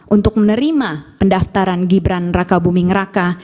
untuk menerima pendaftaran gibran raka buming raka